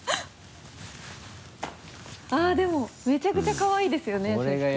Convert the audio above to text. あぁでもめちゃくちゃかわいいですよね制服。